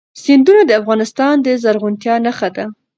سیندونه د افغانستان د زرغونتیا نښه ده.